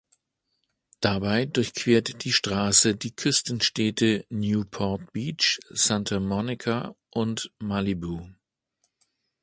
Dabei durchquert die Straße die Küstenstädte Newport Beach, Santa Monica und Malibu.